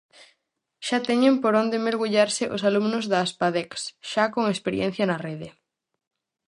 Xa teñen por onde mergullarse os alumnos da Aspadex, xa con experiencia na rede.